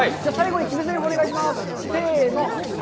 じゃあ、最後に決めぜりふお願いします。